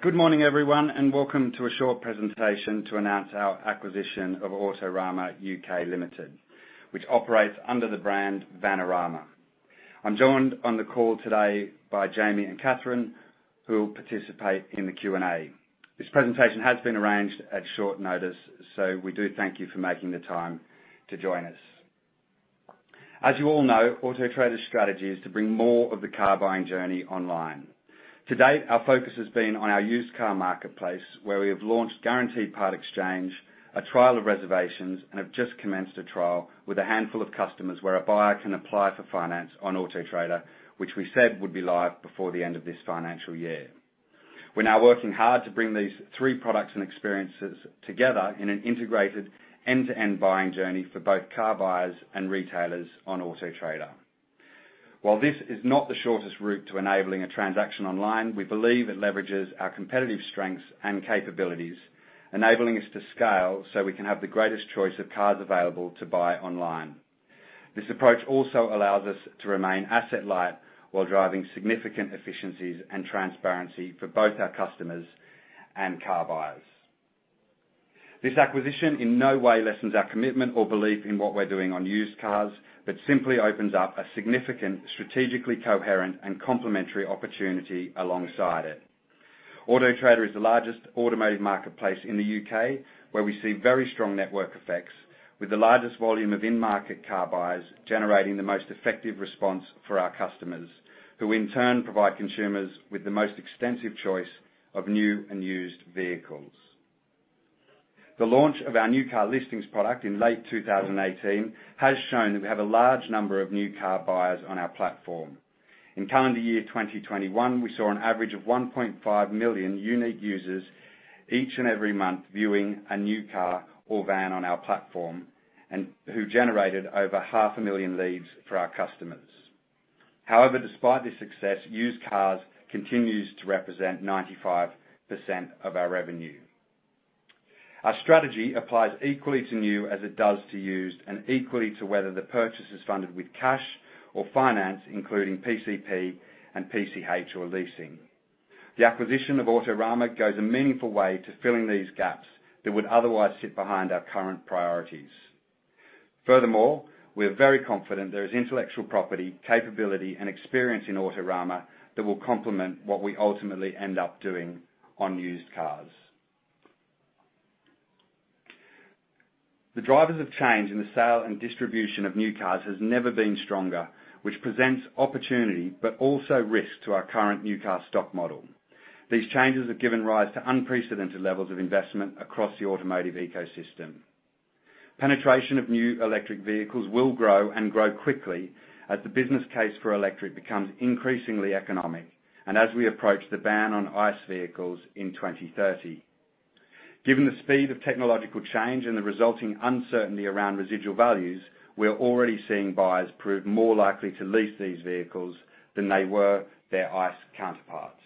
Good morning, everyone, and welcome to a short presentation to announce our acquisition of Autorama UK Limited, which operates under the brand Vanarama. I'm joined on the call today by Jamie and Catherine, who will participate in the Q&A. This presentation has been arranged at short notice, so we do thank you for making the time to join us. As you all know, Auto Trader's strategy is to bring more of the car buying journey online. To date, our focus has been on our used car marketplace, where we have launched guaranteed part exchange, a trial of reservations, and have just commenced a trial with a handful of customers, where a buyer can apply for finance on Auto Trader, which we said would be live before the end of this financial year. We're now working hard to bring these three products and experiences together in an integrated end-to-end buying journey for both car buyers and retailers on Auto Trader. While this is not the shortest route to enabling a transaction online, we believe it leverages our competitive strengths and capabilities, enabling us to scale so we can have the greatest choice of cars available to buy online. This approach also allows us to remain asset light while driving significant efficiencies and transparency for both our customers and car buyers. This acquisition in no way lessens our commitment or belief in what we're doing on used cars, but simply opens up a significant, strategically coherent and complementary opportunity alongside it. Auto Trader is the largest automotive marketplace in the U.K., where we see very strong network effects with the largest volume of in-market car buyers, generating the most effective response for our customers, who in turn provide consumers with the most extensive choice of new and used vehicles. The launch of our new car listings product in late 2018 has shown that we have a large number of new car buyers on our platform. In calendar year 2021, we saw an average of 1.5 million unique users each and every month viewing a new car or van on our platform, and who generated over 0.5 million leads for our customers. However, despite this success, used cars continue to represent 95% of our revenue. Our strategy applies equally to new as it does to used, and equally to whether the purchase is funded with cash or finance, including PCP and PCH or leasing. The acquisition of Autorama goes a meaningful way to filling these gaps that would otherwise sit behind our current priorities. Furthermore, we are very confident there is intellectual property, capability, and experience in Autorama that will complement what we ultimately end up doing on used cars. The drivers of change in the sale and distribution of new cars has never been stronger, which presents opportunity but also risk to our current new car stock model. These changes have given rise to unprecedented levels of investment across the automotive ecosystem. Penetration of new electric vehicles will grow and grow quickly as the business case for electric becomes increasingly economic, and as we approach the ban on ICE vehicles in 2030. Given the speed of technological change and the resulting uncertainty around residual values, we're already seeing buyers prove more likely to lease these vehicles than they were their ICE counterparts.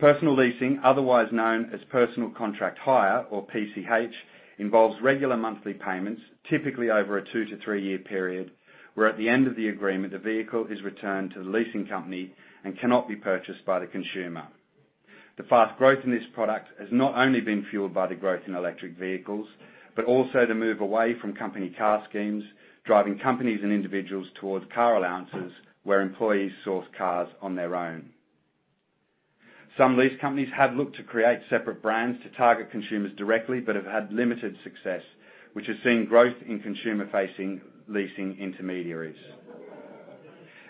Personal leasing, otherwise known as personal contract hire or PCH, involves regular monthly payments, typically over a 2-3-year period, where at the end of the agreement, the vehicle is returned to the leasing company and cannot be purchased by the consumer. The fast growth in this product has not only been fueled by the growth in electric vehicles, but also the move away from company car schemes, driving companies and individuals towards car allowances, where employees source cars on their own. Some lease companies have looked to create separate brands to target consumers directly but have had limited success, which has seen growth in consumer-facing leasing intermediaries.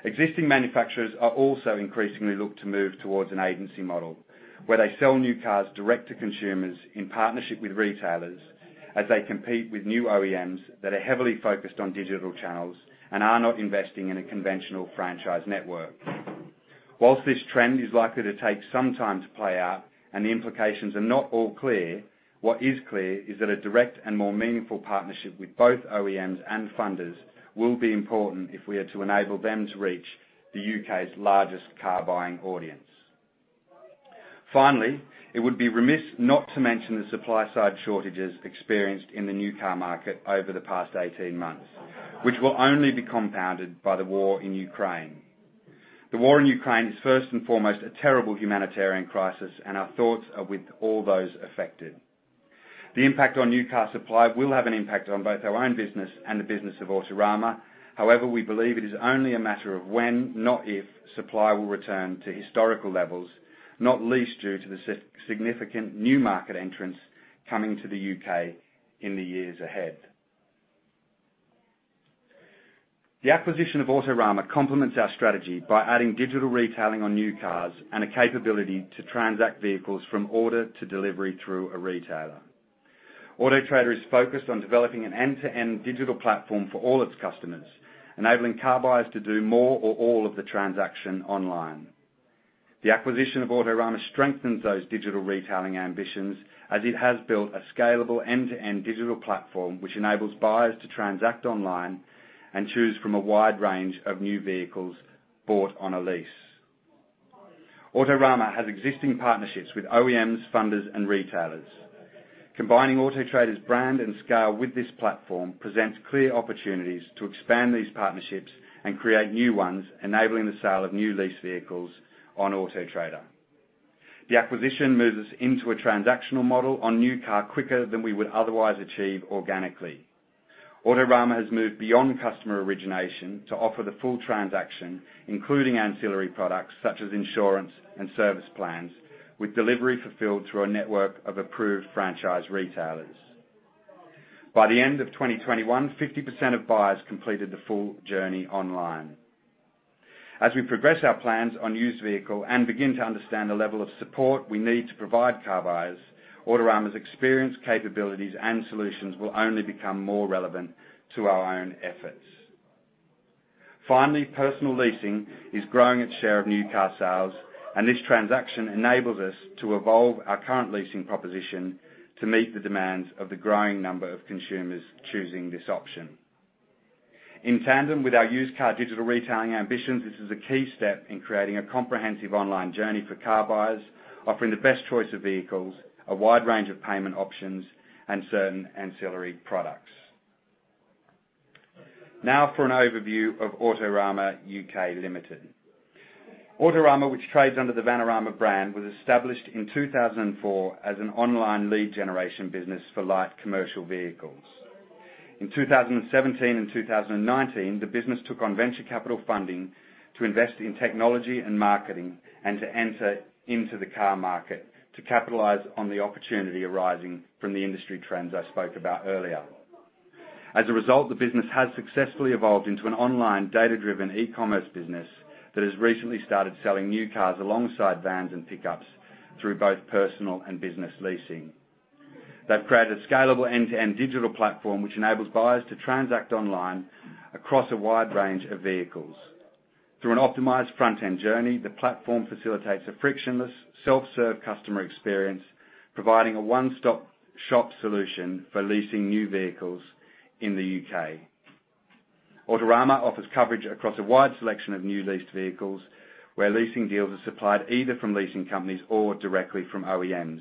Existing manufacturers are also increasingly looking to move towards an agency model, where they sell new cars direct to consumers in partnership with retailers as they compete with new OEMs that are heavily focused on digital channels and are not investing in a conventional franchise network. While this trend is likely to take some time to play out and the implications are not all clear, what is clear is that a direct and more meaningful partnership with both OEMs and funders will be important if we are to enable them to reach the U.K.'s largest car-buying audience. Finally, it would be remiss not to mention the supply side shortages experienced in the new car market over the past 18 months, which will only be compounded by the war in Ukraine. The war in Ukraine is first and foremost a terrible humanitarian crisis, and our thoughts are with all those affected. The impact on new car supply will have an impact on both our own business and the business of Autorama. However, we believe it is only a matter of when, not if, supply will return to historical levels, not least due to the significant new market entrants coming to the U.K. in the years ahead. The acquisition of Autorama complements our strategy by adding digital retailing on new cars and a capability to transact vehicles from order to delivery through a retailer. Auto Trader is focused on developing an end-to-end digital platform for all its customers, enabling car buyers to do more or all of the transaction online. The acquisition of Autorama strengthens those digital retailing ambitions as it has built a scalable end-to-end digital platform, which enables buyers to transact online and choose from a wide range of new vehicles bought on a lease. Autorama has existing partnerships with OEMs, funders, and retailers. Combining Auto Trader's brand and scale with this platform presents clear opportunities to expand these partnerships and create new ones, enabling the sale of new lease vehicles on Auto Trader. The acquisition moves us into a transactional model on new car quicker than we would otherwise achieve organically. Autorama has moved beyond customer origination to offer the full transaction, including ancillary products such as insurance and service plans, with delivery fulfilled through a network of approved franchise retailers. By the end of 2021, 50% of buyers completed the full journey online. As we progress our plans on used vehicle and begin to understand the level of support we need to provide car buyers, Autorama's experience, capabilities, and solutions will only become more relevant to our own efforts. Finally, personal leasing is growing its share of new car sales, and this transaction enables us to evolve our current leasing proposition to meet the demands of the growing number of consumers choosing this option. In tandem with our used car digital retailing ambitions, this is a key step in creating a comprehensive online journey for car buyers, offering the best choice of vehicles, a wide range of payment options, and certain ancillary products. Now for an overview of Autorama UK Limited. Autorama, which trades under the Vanarama brand, was established in 2004 as an online lead generation business for light commercial vehicles. In 2017 and 2019, the business took on venture capital funding to invest in technology and marketing and to enter into the car market to capitalize on the opportunity arising from the industry trends I spoke about earlier. As a result, the business has successfully evolved into an online data-driven e-commerce business that has recently started selling new cars alongside vans and pickups through both personal and business leasing. They've created a scalable end-to-end digital platform which enables buyers to transact online across a wide range of vehicles. Through an optimized front-end journey, the platform facilitates a frictionless self-serve customer experience, providing a one-stop shop solution for leasing new vehicles in the U.K. Autorama offers coverage across a wide selection of new leased vehicles, where leasing deals are supplied either from leasing companies or directly from OEMs,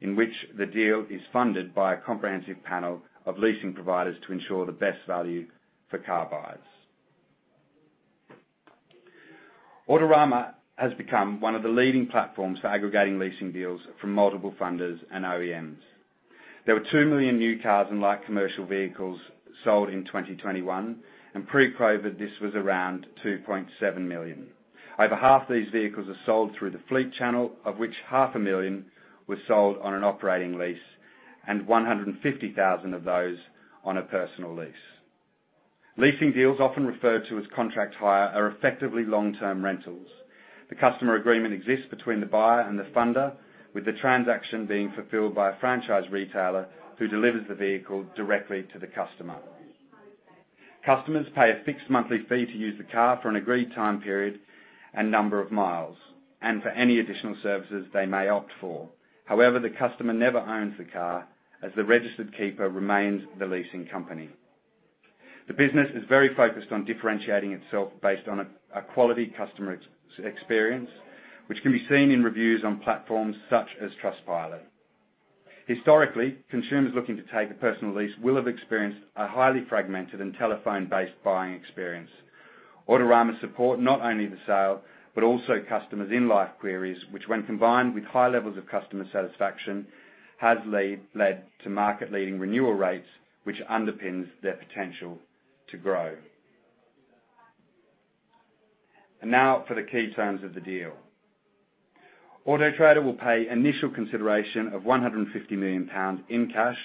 in which the deal is funded by a comprehensive panel of leasing providers to ensure the best value for car buyers. Autorama has become one of the leading platforms for aggregating leasing deals from multiple funders and OEMs. There were 2 million new cars and light commercial vehicles sold in 2021, and pre-COVID, this was around 2.7 million. Over half these vehicles are sold through the fleet channel, of which 500,000 were sold on an operating lease and 150,000 of those on a personal lease. Leasing deals often referred to as contract hire are effectively long-term rentals. The customer agreement exists between the buyer and the funder, with the transaction being fulfilled by a franchise retailer who delivers the vehicle directly to the customer. Customers pay a fixed monthly fee to use the car for an agreed time period and number of miles, and for any additional services they may opt for. However, the customer never owns the car as the registered keeper remains the leasing company. The business is very focused on differentiating itself based on a quality customer experience, which can be seen in reviews on platforms such as Trustpilot. Historically, consumers looking to take a personal lease will have experienced a highly fragmented and telephone-based buying experience. Autorama support not only the sale, but also customers in-life queries, which when combined with high levels of customer satisfaction, has led to market-leading renewal rates, which underpins their potential to grow. Now for the key terms of the deal. Auto Trader will pay initial consideration of 150 million pounds in cash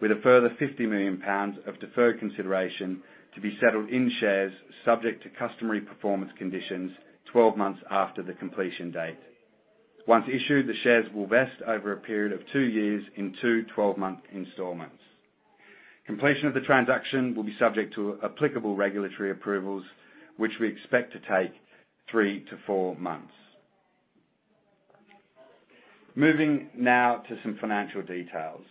with a further 50 million pounds of deferred consideration to be settled in shares subject to customary performance conditions 12 months after the completion date. Once issued, the shares will vest over a period of 2 years in 2 12-month installments. Completion of the transaction will be subject to applicable regulatory approvals, which we expect to take 3-4 months. Moving now to some financial details.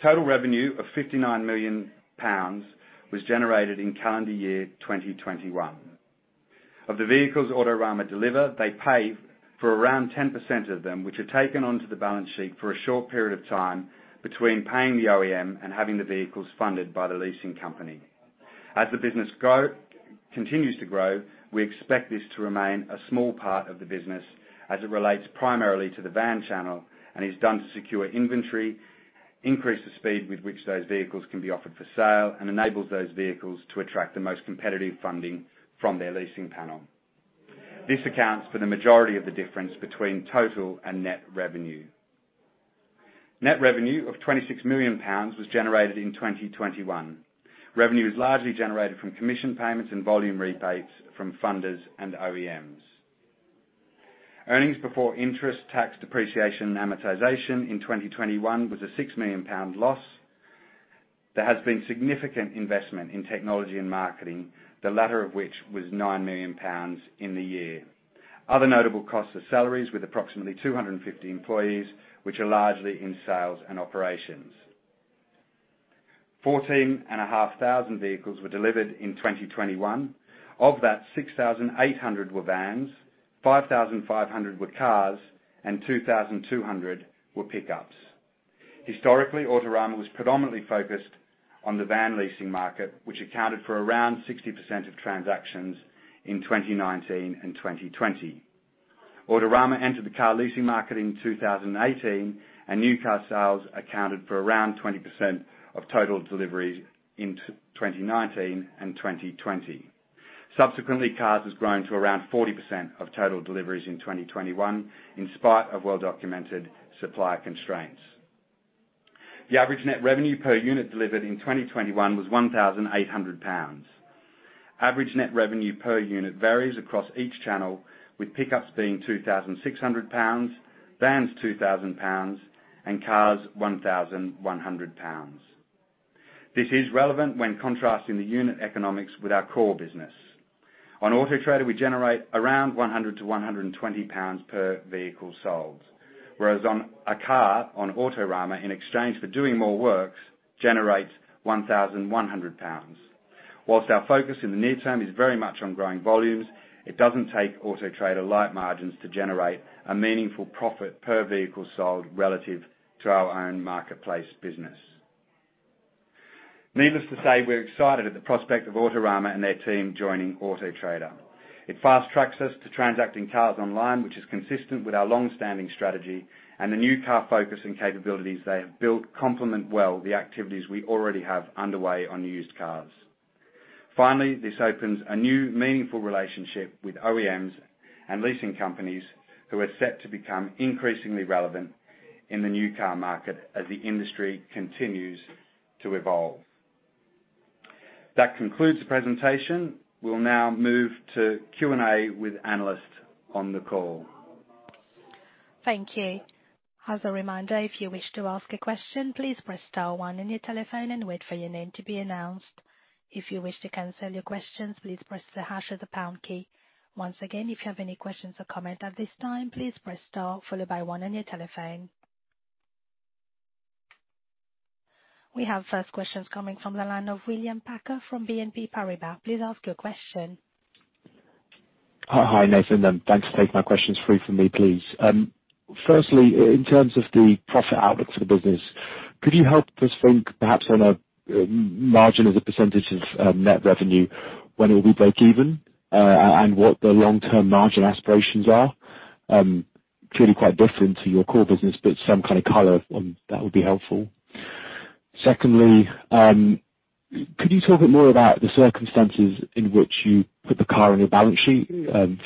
Total revenue of 59 million pounds was generated in calendar year 2021. Of the vehicles Autorama deliver, they pay for around 10% of them, which are taken onto the balance sheet for a short period of time between paying the OEM and having the vehicles funded by the leasing company. As the business continues to grow, we expect this to remain a small part of the business as it relates primarily to the van channel and is done to secure inventory, increase the speed with which those vehicles can be offered for sale, and enables those vehicles to attract the most competitive funding from their leasing panel. This accounts for the majority of the difference between total and net revenue. Net revenue of 26 million pounds was generated in 2021. Revenue is largely generated from commission payments and volume rebates from funders and OEMs. Earnings before interest, tax, depreciation, and amortization in 2021 was a 6 million pound loss. There has been significant investment in technology and marketing, the latter of which was 9 million pounds in the year. Other notable costs are salaries with approximately 250 employees, which are largely in sales and operations. 14,500 vehicles were delivered in 2021. Of that, 6,800 were vans, 5,500 were cars, and 2,200 were pickups. Historically, Autorama was predominantly focused on the van leasing market, which accounted for around 60% of transactions in 2019 and 2020. Autorama entered the car leasing market in 2018, and new car sales accounted for around 20% of total deliveries in 2019 and 2020. Subsequently, cars has grown to around 40% of total deliveries in 2021, in spite of well-documented supply constraints. The average net revenue per unit delivered in 2021 was 1,800 pounds. Average net revenue per unit varies across each channel, with pickups being 2,600 pounds, vans 2,000 pounds, and cars 1,100 pounds. This is relevant when contrasting the unit economics with our core business. On Auto Trader, we generate around 100-120 pounds per vehicle sold, whereas on Autorama, in exchange for doing more works, generates 1,100 pounds. While our focus in the near term is very much on growing volumes, it doesn't take Auto Trader-like margins to generate a meaningful profit per vehicle sold relative to our own marketplace business. Needless to say, we're excited at the prospect of Autorama and their team joining Auto Trader. It fast-tracks us to transacting cars online, which is consistent with our long-standing strategy, and the new car focus and capabilities they have built complement well the activities we already have underway on used cars. Finally, this opens a new meaningful relationship with OEMs and leasing companies who are set to become increasingly relevant in the new car market as the industry continues to evolve. That concludes the presentation. We'll now move to Q&A with analysts on the call. Thank you. As a reminder, if you wish to ask a question, please press star one on your telephone and wait for your name to be announced. If you wish to cancel your questions, please press the hash or the pound key. Once again, if you have any questions or comments at this time, please press star followed by one on your telephone. We have first questions coming from the line of William Packer from BNP Paribas. Please ask your question. Hi, Nathan. Thanks. Take my questions through for me, please. Firstly, in terms of the profit outlook for the business, could you help us think perhaps on a margin as a percentage of net revenue, when it will be breakeven, and what the long-term margin aspirations are? Clearly quite different to your core business, but some kind of color on that would be helpful. Secondly, could you talk a bit more about the circumstances in which you put the car on your balance sheet,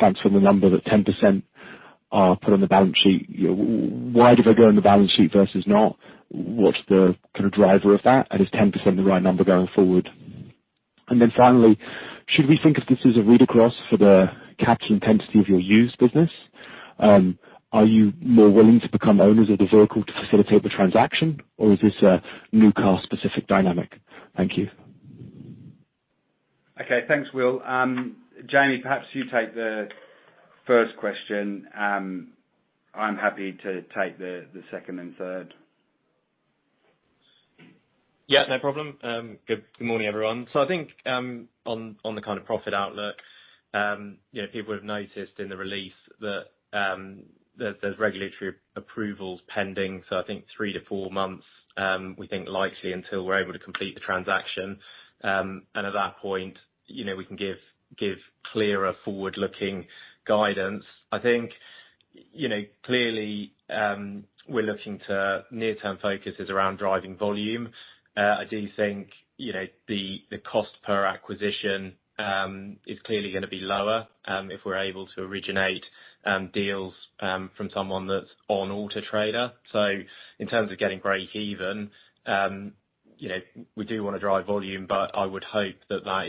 thanks for the number that 10% are put on the balance sheet. Why do they go on the balance sheet versus not? What's the kind of driver of that? And is 10% the right number going forward? Finally, should we think of this as a read across for the capture intensity of your used business? Are you more willing to become owners of the vehicle to facilitate the transaction, or is this a new car specific dynamic? Thank you. Okay. Thanks, Will. Jamie, perhaps you take the first question. I'm happy to take the second and third. Yeah, no problem. Good morning, everyone. I think, on the kind of profit outlook, you know, people would have noticed in the release that, there's regulatory approvals pending. I think 3-4 months, we think likely until we're able to complete the transaction. At that point, you know, we can give clearer forward-looking guidance. I think, you know, clearly, we're looking to near-term focuses around driving volume. I do think, you know, the cost per acquisition, is clearly gonna be lower, if we're able to originate, deals, from someone that's on Auto Trader. In terms of getting breakeven, you know, we do wanna drive volume, but I would hope that that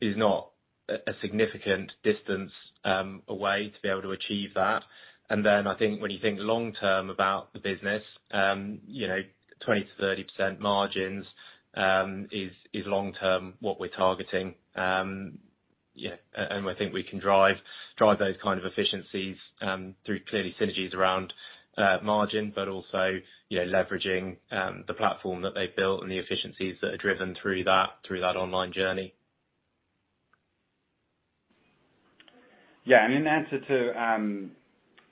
is not a significant distance, away to be able to achieve that. I think when you think long term about the business, you know, 20%-30% margins is long term what we're targeting. Yeah, and I think we can drive those kind of efficiencies through clearly synergies around margin, but also, you know, leveraging the platform that they've built and the efficiencies that are driven through that online journey. Yeah, in answer to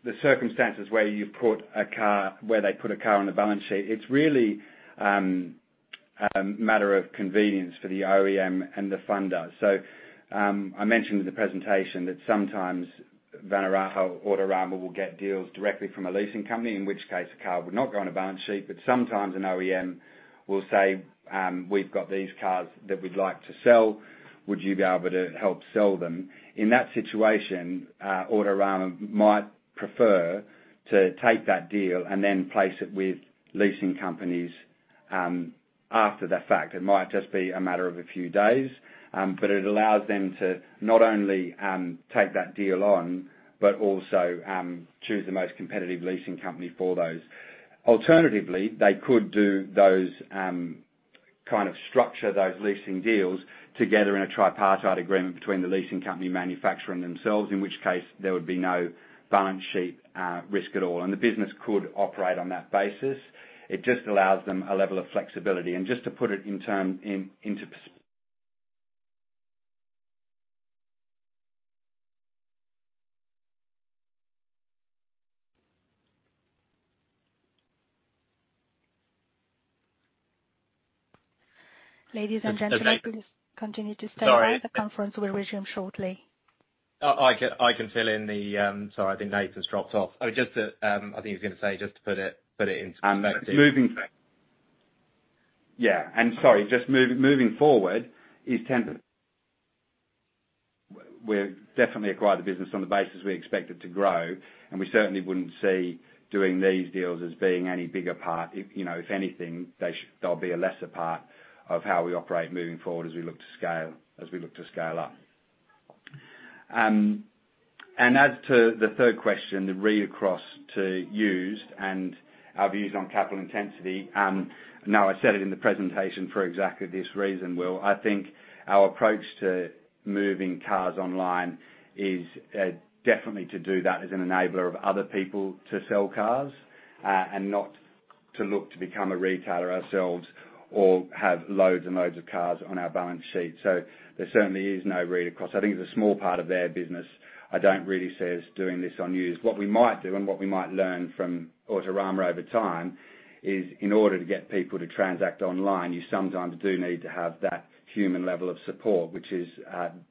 the circumstances where you put a car, where they put a car on the balance sheet, it's really a matter of convenience for the OEM and the funder. I mentioned in the presentation that sometimes Autorama will get deals directly from a leasing company, in which case a car would not go on a balance sheet, but sometimes an OEM will say, "We've got these cars that we'd like to sell. Would you be able to help sell them?" In that situation, Autorama might prefer to take that deal and then place it with leasing companies after the fact. It might just be a matter of a few days, but it allows them to not only take that deal on, but also choose the most competitive leasing company for those. Alternatively, they could do those kind of structure those leasing deals together in a tripartite agreement between the leasing company manufacturing themselves, in which case there would be no balance sheet risk at all, and the business could operate on that basis. It just allows them a level of flexibility. Just to put it into perspective. Ladies and gentlemen. Is Nathan Please continue to stand by. Sorry. The conference will resume shortly. I can fill in the. Sorry, I think Nathan's dropped off. I think he was gonna say, just to put it into perspective. Moving forward. Sorry, just moving forward, it's intended to. We're definitely acquired the business on the basis we expect it to grow, and we certainly wouldn't see doing these deals as being any bigger part. If, you know, if anything, they'll be a lesser part of how we operate moving forward as we look to scale up. As to the third question, the read across to used and our views on capital intensity, now I said it in the presentation for exactly this reason, Will. I think our approach to moving cars online is definitely to do that as an enabler of other people to sell cars, and not to look to become a retailer ourselves or have loads and loads of cars on our balance sheet. So there certainly is no read across. I think it's a small part of their business. I don't really see us doing this on used. What we might do and what we might learn from Autorama over time is, in order to get people to transact online, you sometimes do need to have that human level of support, which is,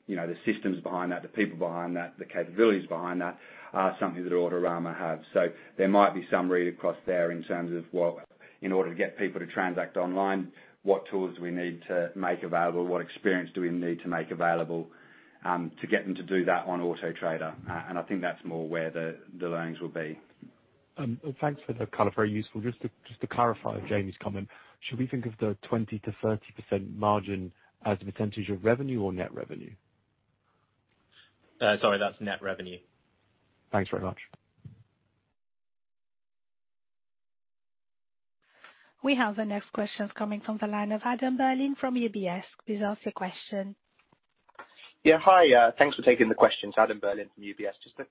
you know, the systems behind that, the people behind that, the capabilities behind that, are something that Autorama has. So there might be some read across there in terms of what, in order to get people to transact online, what tools we need to make available, what experience do we need to make available, to get them to do that on Auto Trader. I think that's more where the learnings will be. Well, thanks for the kind of very useful. Just to clarify Jamie's comment, should we think of the 20%-30% margin as a percentage of revenue or net revenue? Sorry, that's net revenue. Thanks very much. We have the next questions coming from the line of Adam Berlin from UBS. Please ask your question. Yeah. Hi, thanks for taking the questions. Adam Berlin from UBS. Just a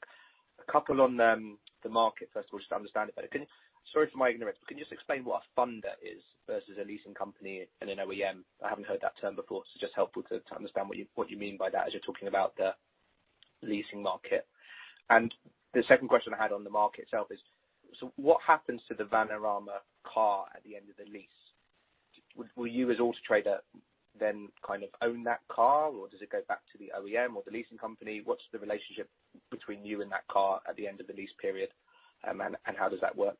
couple on the market first of all, just to understand it better. Sorry for my ignorance, but can you just explain what a funder is versus a leasing company and an OEM? I haven't heard that term before, so just helpful to understand what you mean by that as you're talking about the leasing market. The second question I had on the market itself is, so what happens to the Vanarama car at the end of the lease? Will you as Auto Trader then kind of own that car, or does it go back to the OEM or the leasing company? What's the relationship between you and that car at the end of the lease period, and how does that work?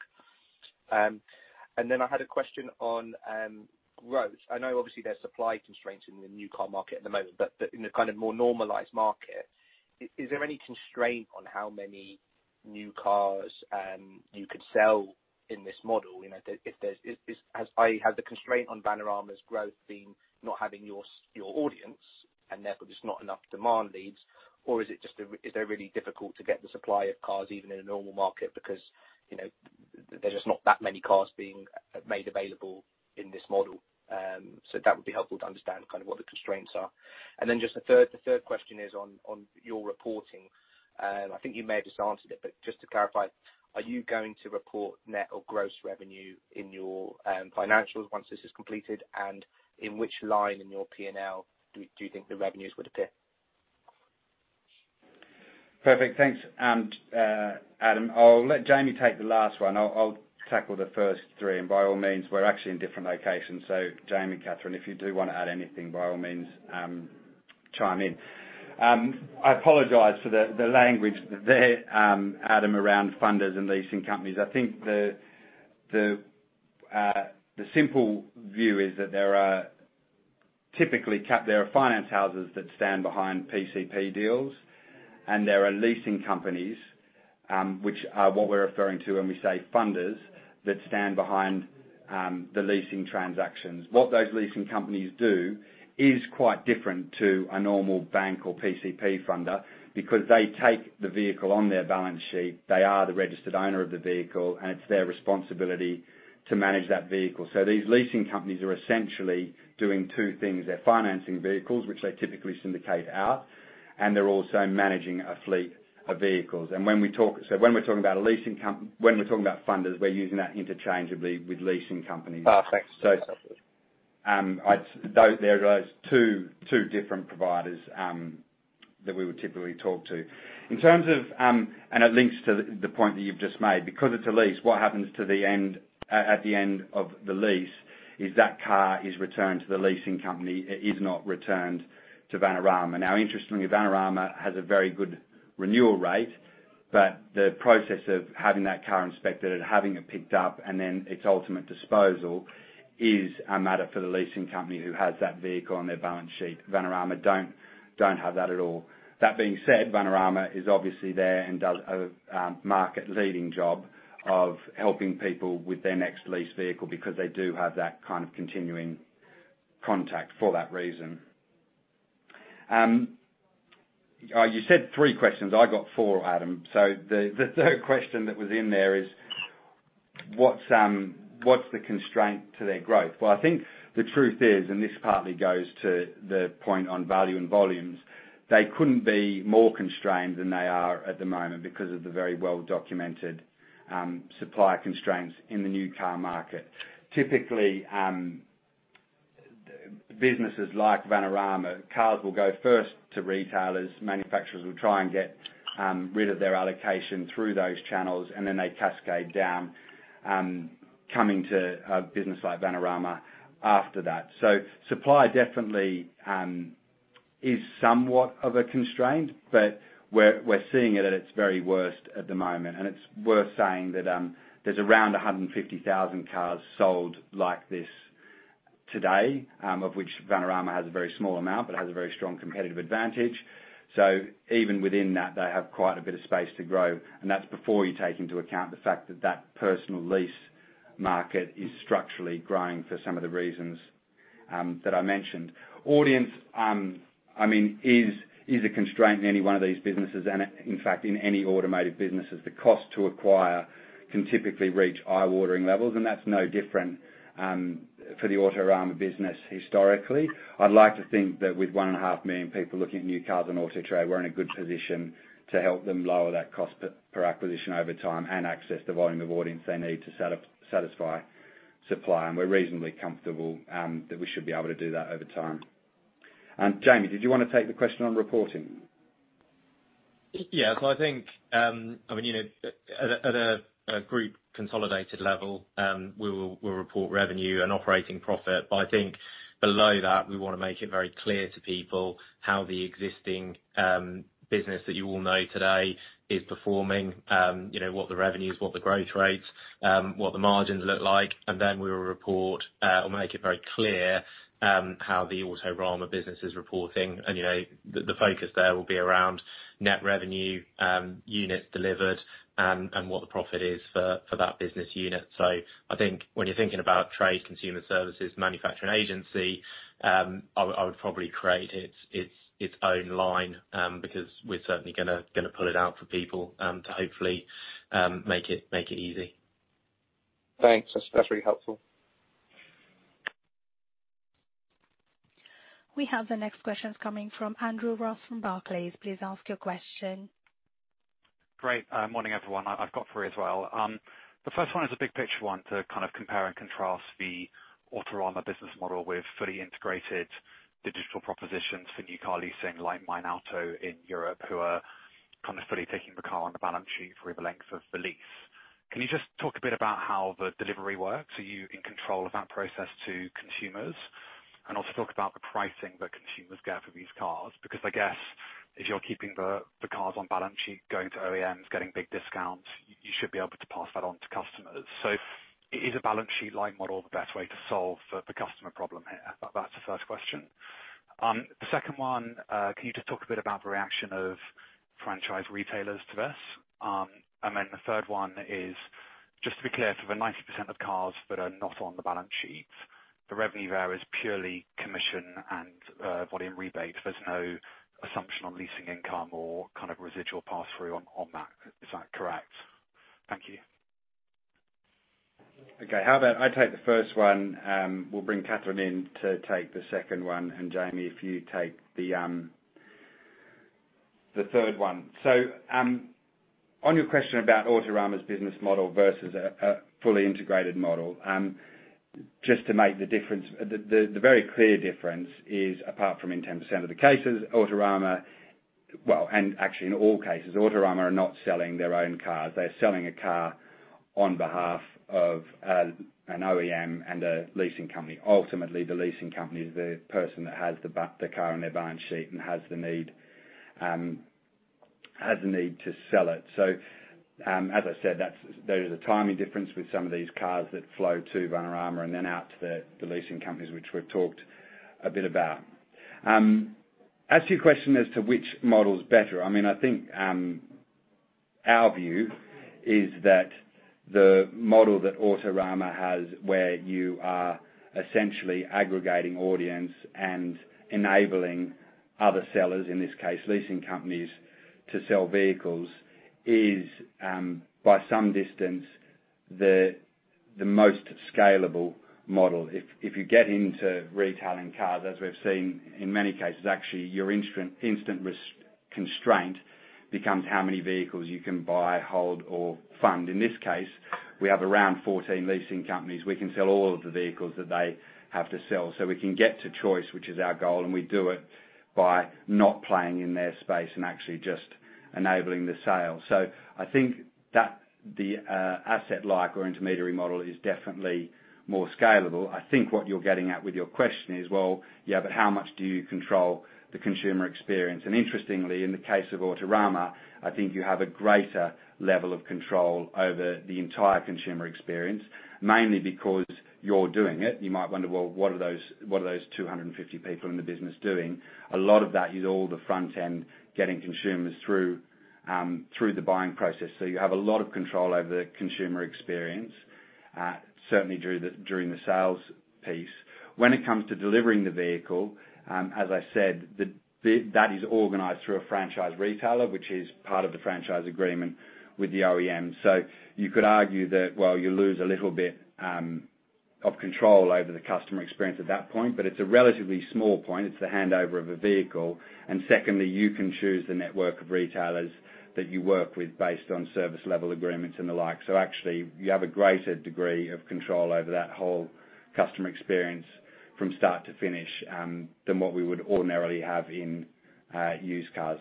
I had a question on growth. I know obviously there's supply constraints in the new car market at the moment, but in a kind of more normalized market, is there any constraint on how many new cars you could sell in this model? You know, i.e., has the constraint on Vanarama's growth been not having your audience, and therefore there's not enough demand leads, or is it just really difficult to get the supply of cars even in a normal market because, you know, there's just not that many cars being made available in this model? That would be helpful to understand kind of what the constraints are. Just the third question is on your reporting, and I think you may have just answered it, but just to clarify, are you going to report net or gross revenue in your financials once this is completed? In which line in your P&L do you think the revenues would appear? Perfect. Thanks, Adam. I'll let Jamie take the last one. I'll tackle the first three. By all means, we're actually in different locations, so Jamie, Kathryn, if you do wanna add anything, by all means, chime in. I apologize for the language there, Adam, around funders and leasing companies. I think the simple view is that there are typically finance houses that stand behind PCP deals, and there are leasing companies, which are what we're referring to when we say funders, that stand behind the leasing transactions. What those leasing companies do is quite different to a normal bank or PCP funder because they take the vehicle on their balance sheet, they are the registered owner of the vehicle, and it's their responsibility to manage that vehicle. These leasing companies are essentially doing two things. They're financing vehicles, which they typically syndicate out, and they're also managing a fleet of vehicles. When we're talking about funders, we're using that interchangeably with leasing companies. Thanks. Those, they're those two different providers that we would typically talk to. In terms of, it links to the point that you've just made. Because it's a lease, what happens at the end of the lease is that car is returned to the leasing company. It is not returned to Vanarama. Now, interestingly, Vanarama has a very good renewal rate, but the process of having that car inspected and having it picked up and then its ultimate disposal is a matter for the leasing company who has that vehicle on their balance sheet. Vanarama don't have that at all. That being said, Vanarama is obviously there and does a market-leading job of helping people with their next lease vehicle because they do have that kind of continuing contact for that reason. You said three questions. I got 4, Adam. The third question that was in there is what's the constraint to their growth? Well, I think the truth is, and this partly goes to the point on value and volumes, they couldn't be more constrained than they are at the moment because of the very well-documented supply constraints in the new car market. Typically, businesses like Vanarama cars will go first to retailers. Manufacturers will try and get rid of their allocation through those channels, and then they cascade down, coming to a business like Vanarama after that. Supply definitely is somewhat of a constraint, but we're seeing it at its very worst at the moment. It's worth saying that, there's around 150,000 cars sold like this today, of which Vanarama has a very small amount, but has a very strong competitive advantage. Even within that, they have quite a bit of space to grow, and that's before you take into account the fact that that personal lease market is structurally growing for some of the reasons that I mentioned. Audience, I mean, is a constraint in any one of these businesses and, in fact, in any automotive businesses. The cost to acquire can typically reach eye-watering levels, and that's no different for the Autorama business historically. I'd like to think that with 1.5 million people looking at new cars on Autotrader, we're in a good position to help them lower that cost per acquisition over time and access the volume of audience they need to satisfy supply. We're reasonably comfortable that we should be able to do that over time. Jamie, did you wanna take the question on reporting? Yeah. I think, I mean, you know, at a group consolidated level, we'll report revenue and operating profit. I think below that, we wanna make it very clear to people how the existing business that you all know today is performing, you know, what the revenues, what the growth rates, what the margins look like. Then we'll report, or make it very clear, how the Autorama business is reporting. You know, the focus there will be around net revenue, units delivered, and what the profit is for that business unit. I think when you're thinking about trade, consumer services, manufacturing agency, I would probably create its own line, because we're certainly gonna pull it out for people to hopefully make it easy. Thanks. That's really helpful. We have the next questions coming from Andrew Ross from Barclays. Please ask your question. Great. Morning, everyone. I've got three as well. The first one is a big picture one to kind of compare and contrast the Autorama business model with fully integrated digital propositions for new car leasing, like MeinAuto in Europe, who are kind of fully taking the car on the balance sheet through the length of the lease. Can you just talk a bit about how the delivery works? Are you in control of that process to consumers? And also talk about the pricing that consumers get for these cars, because I guess if you're keeping the cars on balance sheet, going to OEMs, getting big discounts, you should be able to pass that on to customers. Is a balance sheet-light model the best way to solve the customer problem here? That's the first question. The second one, can you just talk a bit about the reaction of franchise retailers to this? Then the third one is, just to be clear, for the 90% of cars that are not on the balance sheet, the revenue there is purely commission and volume rebate. There's no assumption on leasing income or kind of residual pass-through on that. Is that correct? Thank you. Okay. How about I take the first one? We'll bring Catherine in to take the second one, and Jamie, if you take the third one. On your question about Autorama's business model versus a fully integrated model, just to make the difference, the very clear difference is, apart from in 10% of the cases, Autorama, well, and actually in all cases, Autorama are not selling their own cars. They're selling a car on behalf of an OEM and a leasing company. Ultimately, the leasing company is the person that has the car on their balance sheet and has the need to sell it. As I said, there is a timing difference with some of these cars that flow to Vanarama and then out to the leasing companies, which we've talked a bit about. As to your question as to which model is better, I mean, I think, our view is that the model that Autorama has, where you are essentially aggregating audience and enabling other sellers, in this case, leasing companies, to sell vehicles is, by some distance, the most scalable model. If you get into retailing cars, as we've seen in many cases, actually your inventory constraint becomes how many vehicles you can buy, hold, or fund. In this case, we have around 14 leasing companies. We can sell all of the vehicles that they have to sell. We can get to choice, which is our goal, and we do it by not playing in their space and actually just enabling the sale. I think that the asset light or intermediary model is definitely more scalable. I think what you're getting at with your question is, well, yeah, but how much do you control the consumer experience? Interestingly, in the case of Autorama, I think you have a greater level of control over the entire consumer experience, mainly because you're doing it. You might wonder, well, what are those 250 people in the business doing? A lot of that is all the front end, getting consumers through the buying process. You have a lot of control over the consumer experience, certainly during the sales piece. When it comes to delivering the vehicle, as I said, that is organized through a franchise retailer, which is part of the franchise agreement with the OEM. You could argue that, well, you lose a little bit of control over the customer experience at that point, but it's a relatively small point. It's the handover of a vehicle. Secondly, you can choose the network of retailers that you work with based on service level agreements and the like. Actually you have a greater degree of control over that whole customer experience from start to finish than what we would ordinarily have in used cars.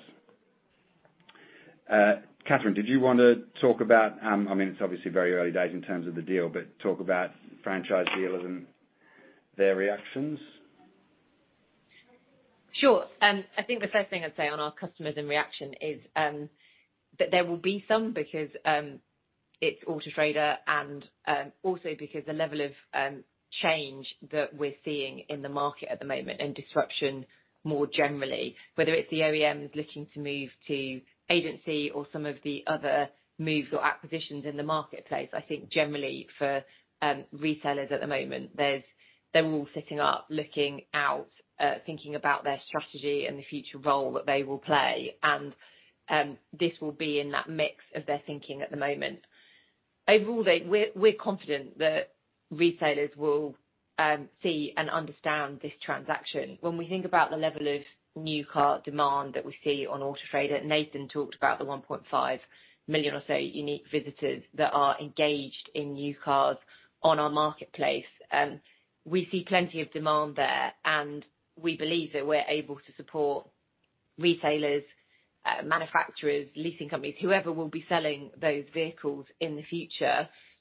Catherine, did you want to talk about. I mean, it's obviously very early days in terms of the deal, but talk about franchise dealers and their reactions. Sure. I think the first thing I'd say on our customers and reaction is that there will be some because it's Auto Trader and also because the level of change that we're seeing in the market at the moment and disruption more generally. Whether it's the OEMs looking to move to agency or some of the other moves or acquisitions in the marketplace, I think generally for retailers at the moment, they're all sitting up, looking out, thinking about their strategy and the future role that they will play. This will be in that mix of their thinking at the moment. Overall though, we're confident that retailers will see and understand this transaction. When we think about the level of new car demand that we see on Auto Trader, Nathan talked about the 1.5 million or so unique visitors that are engaged in new cars on our marketplace. We see plenty of demand there, and we believe that we're able to support retailers, manufacturers, leasing companies, whoever will be selling those vehicles in the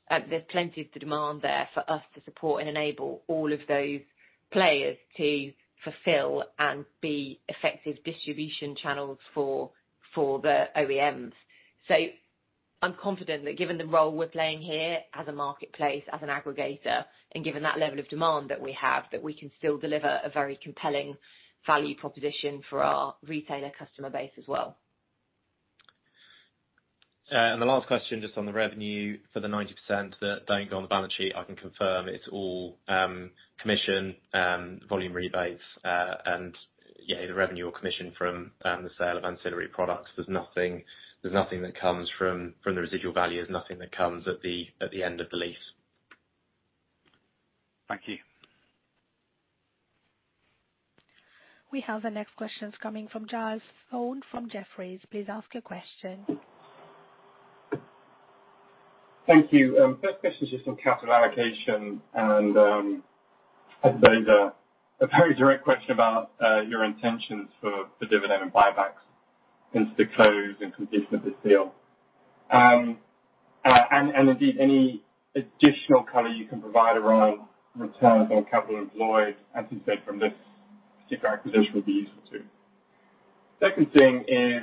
future. There's plenty of the demand there for us to support and enable all of those players to fulfill and be effective distribution channels for the OEMs. I'm confident that given the role we're playing here as a marketplace, as an aggregator, and given that level of demand that we have, that we can still deliver a very compelling value proposition for our retailer customer base as well. The last question, just on the revenue for the 90% that don't go on the balance sheet. I can confirm it's all commission, volume rebates, and yeah, either revenue or commission from the sale of ancillary products. There's nothing that comes from the residual values, nothing that comes at the end of the lease. Thank you. We have the next questions coming from Giles Thorne from Jefferies. Please ask your question. Thank you. First question is just on capital allocation and, I suppose a very direct question about, your intentions for the dividend and buybacks into the close and completion of this deal. And indeed any additional color you can provide around returns on capital employed, as you said, from this particular acquisition would be useful too. Second thing is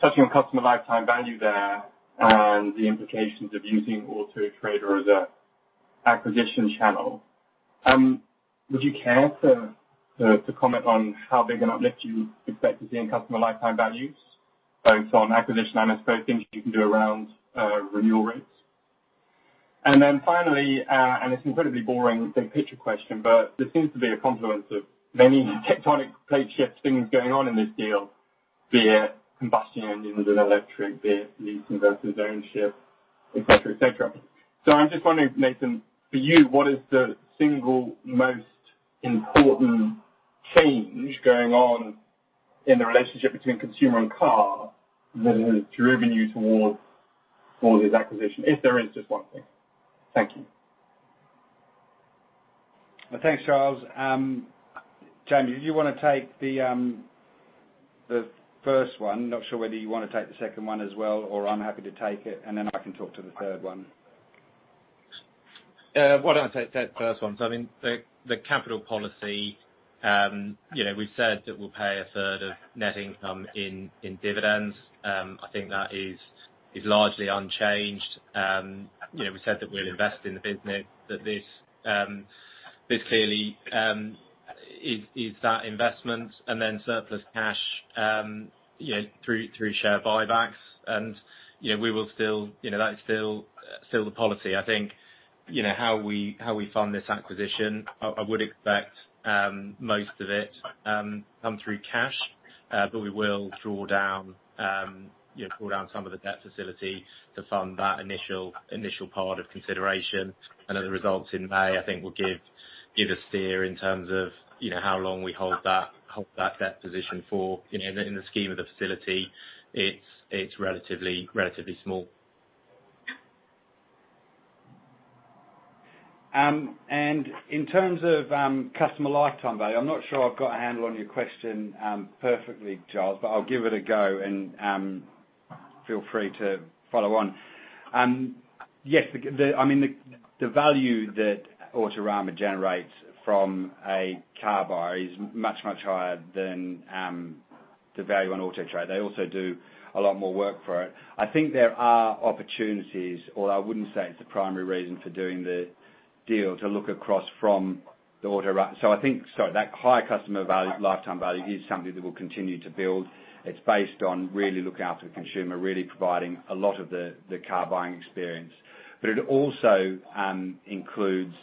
touching on customer lifetime value there and the implications of using Auto Trader as an acquisition channel. Would you care to comment on how big an uplift you expect to see in customer lifetime values, both on acquisition and I suppose things you can do around, renewal rates? Finally, it's an incredibly boring big picture question, but there seems to be a confluence of many tectonic plate shift things going on in this deal, be it combustion engines and electric, be it lease versus ownership, et cetera. I'm just wondering, Nathan, for you, what is the single most important change going on in the relationship between consumer and car that has driven you towards all these acquisitions, if there is just one thing? Thank you. Thanks, Giles. Jamie, did you wanna take the first one? Not sure whether you wanna take the second one as well, or I'm happy to take it, and then I can talk to the third one. Why don't I take that first one. I mean, the capital policy, you know, we've said that we'll pay a third of net income in dividends. I think that is largely unchanged. You know, we said that we'll invest in the business, that this clearly is that investment and then surplus cash, you know, through share buybacks. You know, we will still, you know, that is still the policy. I think, you know, how we fund this acquisition, I would expect most of it come through cash. But we will draw down some of the debt facility to fund that initial part of consideration. As the results in May, I think will give a steer in terms of, you know, how long we hold that debt position for. You know, in the scheme of the facility, it's relatively small. In terms of customer lifetime value, I'm not sure I've got a handle on your question perfectly, Giles, but I'll give it a go. Feel free to follow on. Yes, I mean, the value that Autorama generates from a car buyer is much higher than the value on Auto Trader. They also do a lot more work for it. I think there are opportunities, although I wouldn't say it's the primary reason for doing the deal to look across from the Autorama. Sorry, that high customer value, lifetime value is something that we'll continue to build. It's based on really looking after the consumer, really providing a lot of the car buying experience. But it also includes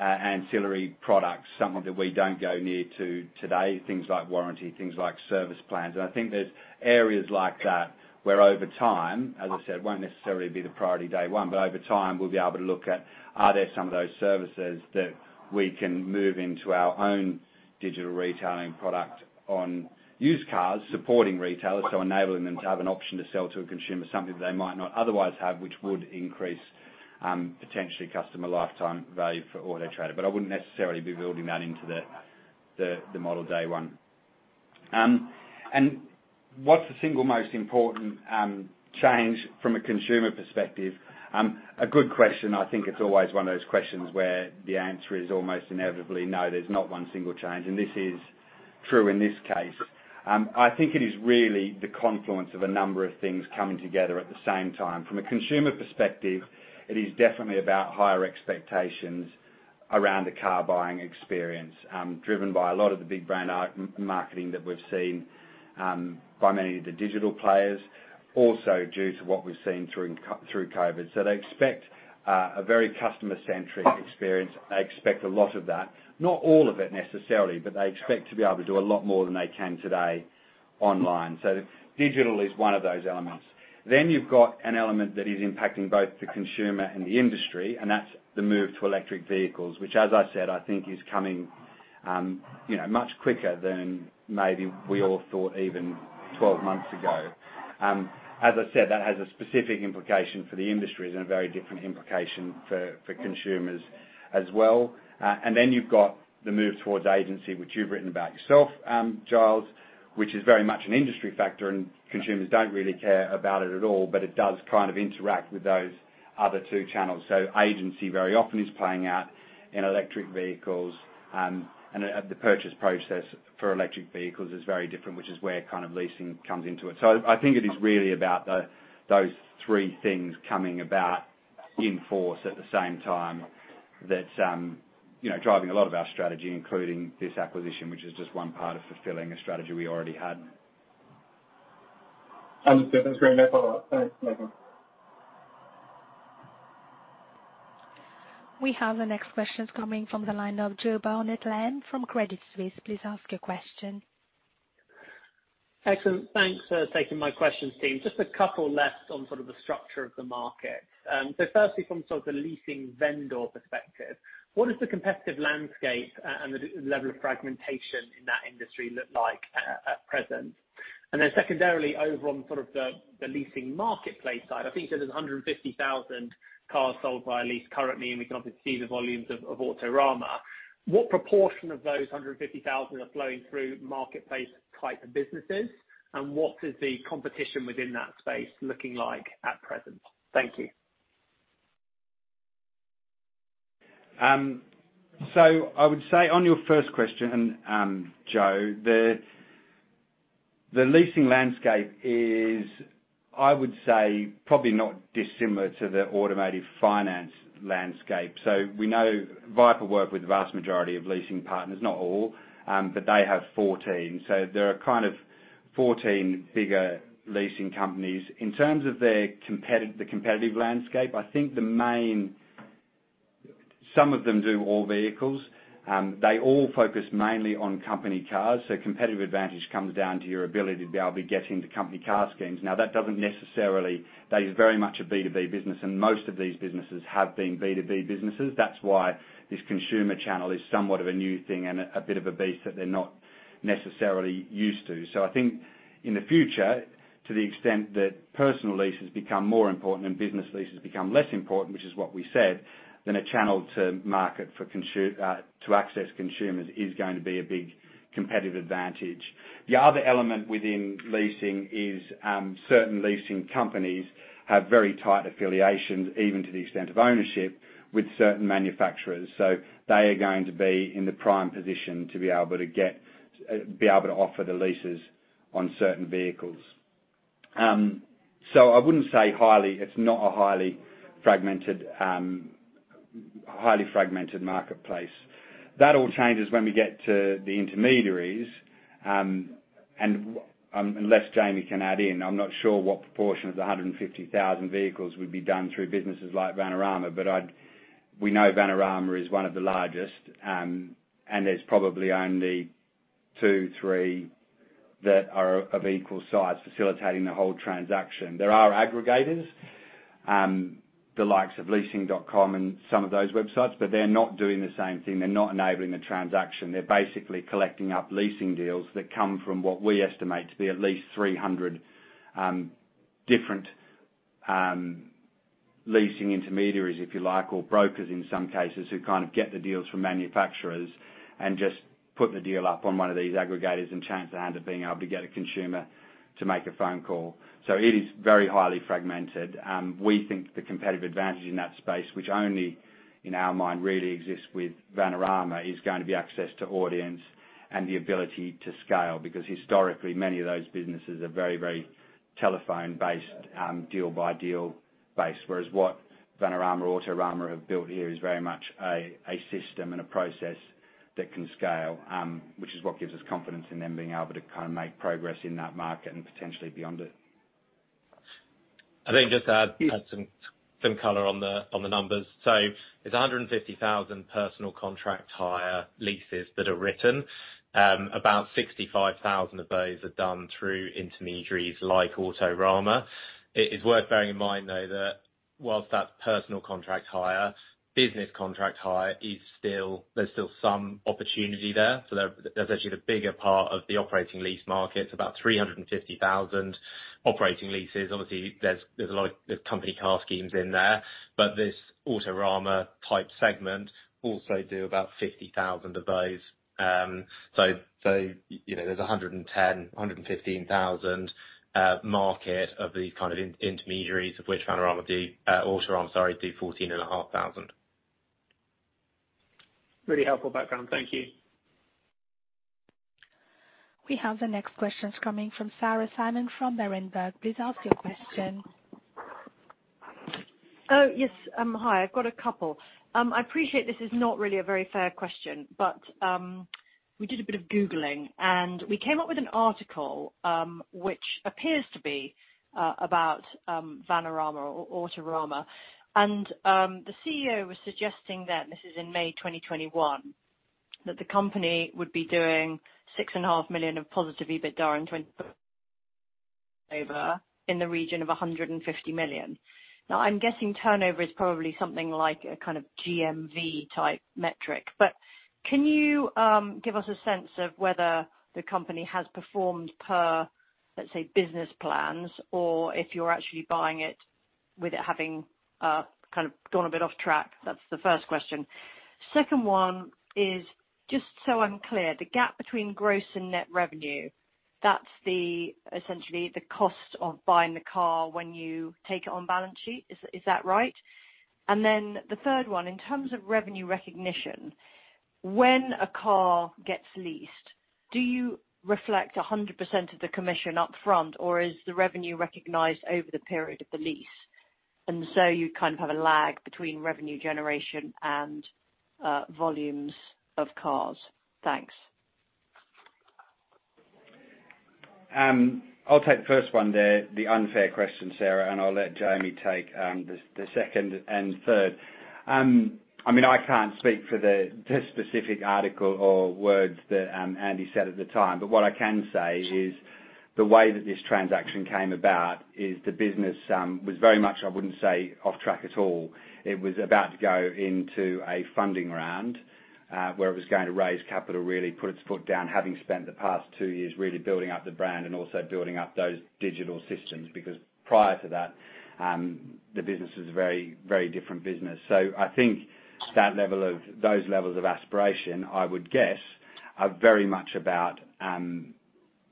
ancillary products, some of that we don't go near to today. Things like warranty, things like service plans. I think there's areas like that, where over time, as I said, won't necessarily be the priority day one, but over time, we'll be able to look at, are there some of those services that we can move into our own digital retailing product on used cars supporting retailers. Enabling them to have an option to sell to a consumer, something that they might not otherwise have, which would increase potentially customer lifetime value for Autotrader. I wouldn't necessarily be building that into the model day one. What's the single most important change from a consumer perspective? A good question. I think it's always one of those questions where the answer is almost inevitably no, there's not one single change, and this is true in this case. I think it is really the confluence of a number of things coming together at the same time. From a consumer perspective, it is definitely about higher expectations around the car buying experience, driven by a lot of the big brand out-marketing that we've seen, by many of the digital players, also due to what we've seen through COVID. They expect a very customer-centric experience. They expect a lot of that. Not all of it necessarily, but they expect to be able to do a lot more than they can today online. Digital is one of those elements. You've got an element that is impacting both the consumer and the industry, and that's the move to electric vehicles, which as I said, I think is coming, you know, much quicker than maybe we all thought even 12 months ago. As I said, that has a specific implication for the industries and a very different implication for consumers as well. You've got the move towards agency, which you've written about yourself, Giles, which is very much an industry factor, and consumers don't really care about it at all, but it does kind of interact with those other two channels. Agency very often is playing out in electric vehicles, and the purchase process for electric vehicles is very different, which is where kind of leasing comes into it. I think it is really about those three things coming about in force at the same time that, you know, driving a lot of our strategy, including this acquisition, which is just one part of fulfilling a strategy we already had. Understood. That's very helpful. Thanks, Nathan. We have the next questions coming from the line of Joseph Barnet-Lamb from Credit Suisse. Please ask your question. Excellent. Thanks for taking my questions, team. Just a couple left on sort of the structure of the market. So firstly from sort of the leasing vendor perspective, what does the competitive landscape and the level of fragmentation in that industry look like at present? And then secondarily, over on sort of the leasing marketplace side, I think you said there's 150,000 cars sold by lease currently, and we can obviously see the volumes of Autorama. What proportion of those 150,000 are flowing through marketplace type of businesses? And what is the competition within that space looking like at present? Thank you. I would say on your first question, Joe, the leasing landscape is, I would say, probably not dissimilar to the automotive finance landscape. We know Vanarama work with the vast majority of leasing partners, not all, but they have 14. There are kind of 14 bigger leasing companies. In terms of their competitive landscape, I think the main. Some of them do all vehicles. They all focus mainly on company cars, so competitive advantage comes down to your ability to be able to get into company car schemes. Now, that doesn't necessarily. They are very much a B2B business, and most of these businesses have been B2B businesses. That's why this consumer channel is somewhat of a new thing and a bit of a beast that they're not necessarily used to. I think in the future, to the extent that personal leases become more important and business leases become less important, which is what we said, then a channel to market to access consumers is going to be a big competitive advantage. The other element within leasing is certain leasing companies have very tight affiliations, even to the extent of ownership, with certain manufacturers. They are going to be in the prime position to be able to offer the leases on certain vehicles. I wouldn't say highly fragmented. It's not a highly fragmented marketplace. That all changes when we get to the intermediaries. Unless Jamie can add in, I'm not sure what proportion of the 150,000 vehicles would be done through businesses like Vanarama. We know Vanarama is one of the largest, and there's probably only two, three that are of equal size facilitating the whole transaction. There are aggregators, the likes of leasing.com and some of those websites, but they're not doing the same thing. They're not enabling the transaction. They're basically collecting up leasing deals that come from what we estimate to be at least 300 different leasing intermediaries, if you like, or brokers in some cases, who kind of get the deals from manufacturers and just put the deal up on one of these aggregators and chance their hand at being able to get a consumer to make a phone call. It is very highly fragmented. We think the competitive advantage in that space, which only in our mind really exists with Vanarama, is gonna be access to audience and the ability to scale. Because historically, many of those businesses are very, very telephone-based, deal-by-deal basis. Whereas what Vanarama, Autorama have built here is very much a system and a process that can scale, which is what gives us confidence in them being able to kind of make progress in that market and potentially beyond it. I think just to add some color on the numbers. It's 150,000 personal contract hire leases that are written. About 65,000 of those are done through intermediaries like Autorama. It is worth bearing in mind though, that while that's personal contract hire, business contract hire is still some opportunity there. That's actually the bigger part of the operating lease market. About 350,000 operating leases. Obviously, there's a lot of company car schemes in there. But this Autorama type segment also do about 50,000 of those. So, you know, there's 110,000-115,000 market of these kind of intermediaries, of which Vanarama do, Autorama, sorry, do 14,500. Really helpful background. Thank you. We have the next questions coming from Sarah Simon from Berenberg. Please ask your question. Oh, yes. Hi. I've got a couple. I appreciate this is not really a very fair question, but we did a bit of googling, and we came up with an article which appears to be about Vanarama or Autorama. The CEO was suggesting that, this is in May 2021, that the company would be doing 6.5 million of positive EBITDA in 2020 or in the region of 150 million. Now, I'm guessing turnover is probably something like a kind of GMV type metric. Can you give us a sense of whether the company has performed per, let's say, business plans, or if you're actually buying it with it having kind of gone a bit off track? That's the first question. Second one is, just so I'm clear, the gap between gross and net revenue, that's essentially the cost of buying the car when you take it on balance sheet. Is that right? The third one, in terms of revenue recognition, when a car gets leased, do you reflect 100% of the commission up front, or is the revenue recognized over the period of the lease? You kind of have a lag between revenue generation and volumes of cars. Thanks. I'll take the first one there, the unfair question, Sarah, and I'll let Jamie take the second and third. I mean, I can't speak for the specific article or words that Andy said at the time. What I can say is the way that this transaction came about is the business was very much. I wouldn't say off track at all. It was about to go into a funding round where it was going to raise capital, really put its foot down, having spent the past two years really building up the brand and also building up those digital systems. Because prior to that, the business was a very, very different business. I think that level of those levels of aspiration, I would guess, are very much about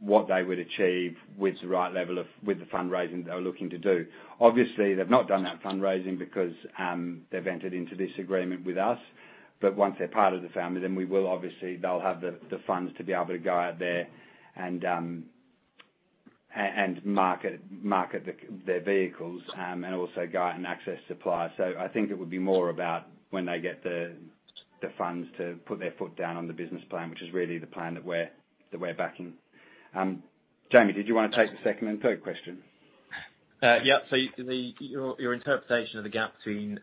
what they would achieve with the right level of with the fundraising they were looking to do. Obviously, they've not done that fundraising because they've entered into this agreement with us. Once they're part of the family, then we will obviously. They'll have the funds to be able to go out there and and market their vehicles and also go out and access suppliers. I think it would be more about when they get the funds to put their foot down on the business plan, which is really the plan that we're backing. Jamie, did you want to take the second and third question? Yeah. Your interpretation of the gap between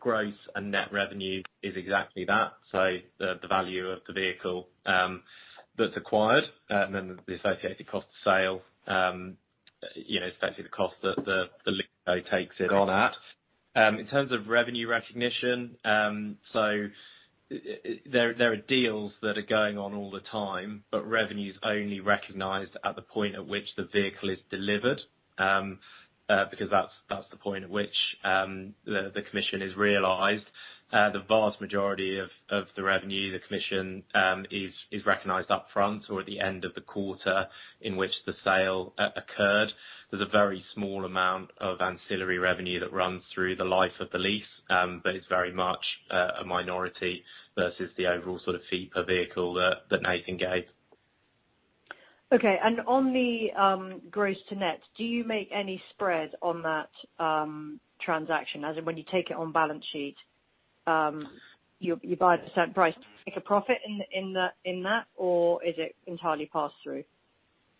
gross and net revenue is exactly that. The value of the vehicle that's acquired and the associated cost of sale, you know, essentially the cost that the lessee takes it on at. In terms of revenue recognition, there are deals that are going on all the time, but revenue's only recognized at the point at which the vehicle is delivered because that's the point at which the commission is realized. The vast majority of the revenue, the commission, is recognized upfront or at the end of the quarter in which the sale occurred. There's a very small amount of ancillary revenue that runs through the life of the lease, but it's very much a minority versus the overall sort of fee per vehicle that Nathan gave. Okay. On the gross to net, do you make any spread on that transaction? As in when you take it on balance sheet, you buy a certain price. Do you make a profit in that? Or is it entirely pass-through?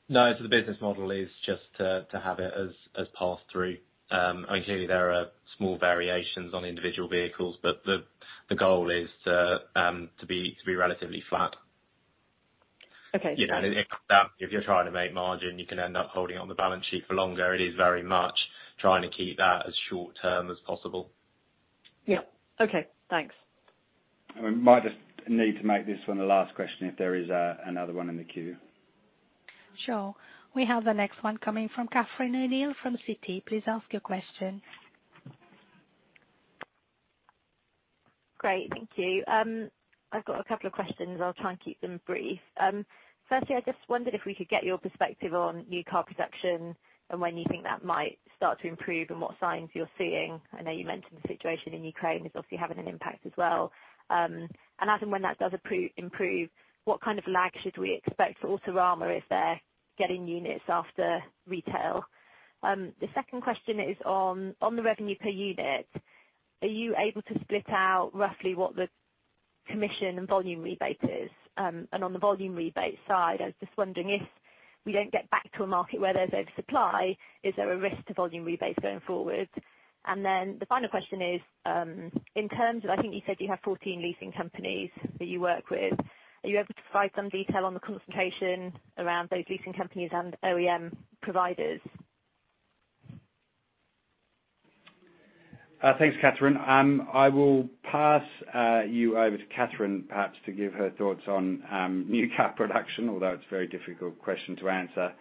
No. The business model is just to have it as pass-through. I mean, clearly there are small variations on individual vehicles. The goal is to be relatively flat. Okay. You know, it comes down to if you're trying to make margin, you can end up holding it on the balance sheet for longer. It is very much trying to keep that as short term as possible. Yeah. Okay. Thanks. We might just need to make this one the last question if there is another one in the queue. Sure. We have the next one coming from Catherine O'Neill from Citi. Please ask your question. Great. Thank you. I've got a couple of questions. I'll try and keep them brief. Firstly, I just wondered if we could get your perspective on new car production and when you think that might start to improve and what signs you're seeing. I know you mentioned the situation in Ukraine is obviously having an impact as well. As and when that does improve, what kind of lag should we expect for Autorama if they're getting units after retail? The second question is on the revenue per unit. Are you able to split out roughly what the commission and volume rebate is? On the volume rebate side, I was just wondering if we don't get back to a market where there's oversupply, is there a risk to volume rebates going forward? The final question is, in terms of, I think you said you have 14 leasing companies that you work with, are you able to provide some detail on the concentration around those leasing companies and OEM providers? Thanks, Catherine. I will pass you over to Catherine perhaps to give her thoughts on new car production, although it's a very difficult question to answer.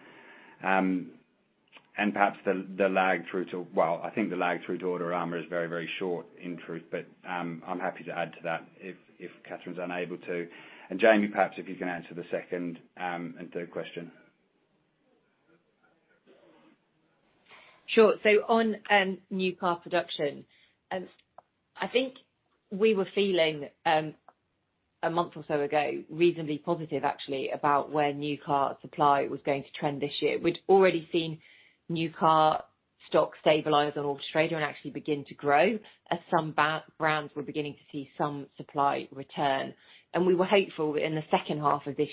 Perhaps the lag through to Autorama is very, very short in truth, but I'm happy to add to that if Catherine's unable to. Jamie, perhaps if you can answer the second and third question. Sure. On new car production, I think we were feeling a month or so ago reasonably positive actually about where new car supply was going to trend this year. We'd already seen new car stock stabilize on Auto Trader and actually begin to grow as some brands were beginning to see some supply return. We were hopeful that in the second half of this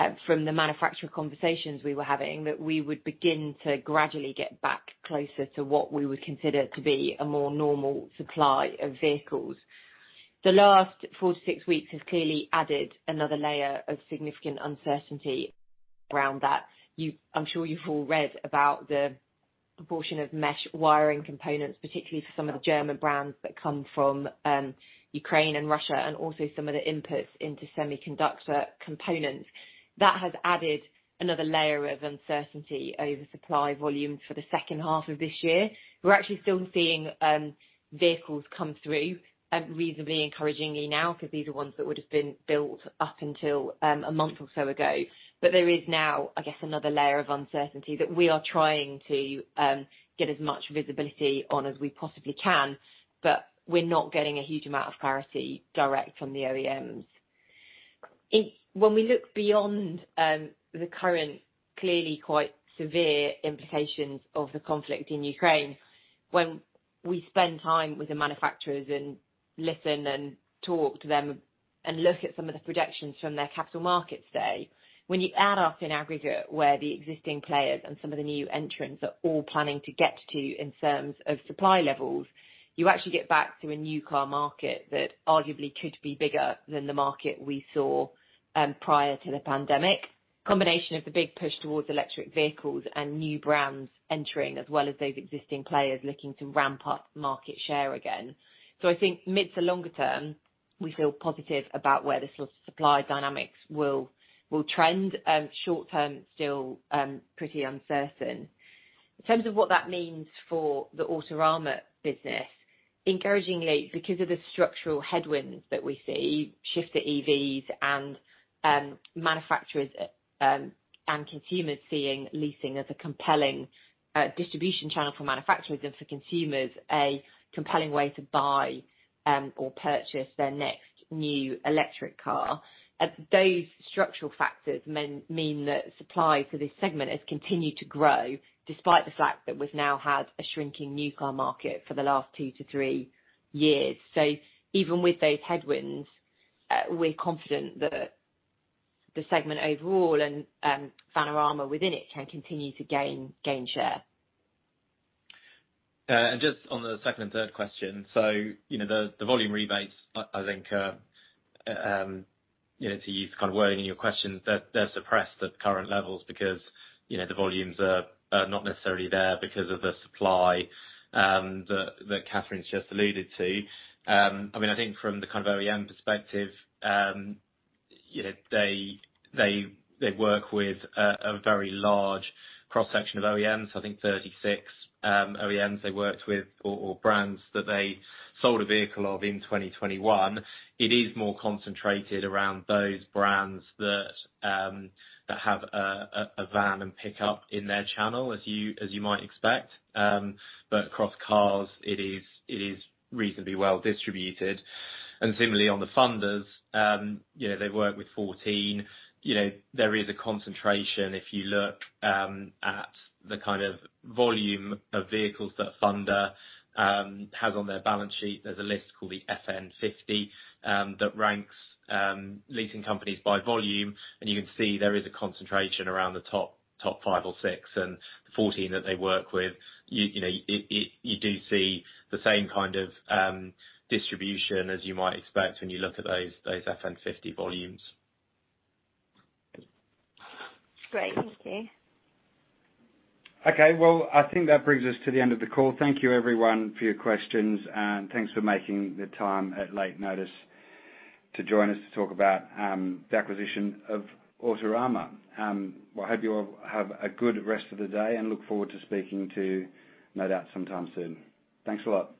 year, from the manufacturer conversations we were having, that we would begin to gradually get back closer to what we would consider to be a more normal supply of vehicles. The last four to six weeks has clearly added another layer of significant uncertainty around that. I'm sure you've all read about the proportion of mesh wiring components, particularly for some of the German brands that come from Ukraine and Russia, and also some of the inputs into semiconductor components. That has added another layer of uncertainty over supply volume for the second half of this year. We're actually still seeing vehicles come through reasonably encouragingly now, 'cause these are ones that would've been built up until a month or so ago. There is now, I guess, another layer of uncertainty that we are trying to get as much visibility on as we possibly can, but we're not getting a huge amount of clarity direct from the OEMs. When we look beyond the current clearly quite severe implications of the conflict in Ukraine, when we spend time with the manufacturers and listen and talk to them and look at some of the projections from their capital markets day, when you add up in aggregate where the existing players and some of the new entrants are all planning to get to in terms of supply levels, you actually get back to a new car market that arguably could be bigger than the market we saw prior to the pandemic. Combination of the big push towards electric vehicles and new brands entering, as well as those existing players looking to ramp up market share again. I think mid to longer term, we feel positive about where the supply dynamics will trend. Short-term, still pretty uncertain. In terms of what that means for the Autorama business, encouragingly, because of the structural headwinds that we see, shift to EVs and manufacturers and consumers seeing leasing as a compelling distribution channel for manufacturers and for consumers, a compelling way to buy or purchase their next new electric car, those structural factors mean that supply for this segment has continued to grow despite the fact that we've now had a shrinking new car market for the last 2-3 years. Even with those headwinds, we're confident that the segment overall and Autorama within it can continue to gain share. Just on the second and third question. You know, the volume rebates, I think, you know, to use kind of wording in your question, they're suppressed at current levels because, you know, the volumes are not necessarily there because of the supply that Catherine's just alluded to. I mean, I think from the kind of OEM perspective, you know, they work with a very large cross-section of OEMs. I think 36 OEMs they worked with or brands that they sold a vehicle of in 2021. It is more concentrated around those brands that have a van and pickup in their channel, as you might expect. Across cars it is reasonably well distributed. Similarly, on the funders, you know, they work with 14. You know, there is a concentration if you look at the kind of volume of vehicles that a funder has on their balance sheet. There's a list called the FN50 that ranks leasing companies by volume. You can see there is a concentration around the top five or six and the 14 that they work with. You know, you do see the same kind of distribution as you might expect when you look at those FN50 volumes. Great. Thank you. Okay. Well, I think that brings us to the end of the call. Thank you everyone for your questions, and thanks for making the time at late notice to join us to talk about the acquisition of Autorama. Well, I hope you all have a good rest of the day, and look forward to speaking to you no doubt sometime soon. Thanks a lot.